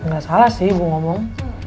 nggak salah sih ibu ngomong